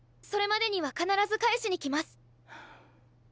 それまでには必ず返しに来ます。